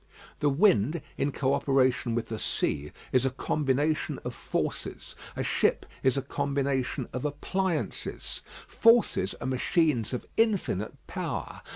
The wind in co operation with the sea is a combination of forces. A ship is a combination of appliances. Forces are machines of infinite power.